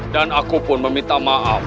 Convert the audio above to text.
dan aku pun meminta maaf